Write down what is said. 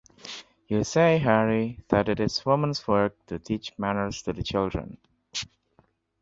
You say, Harry, that it is women's work to teach manners to the children.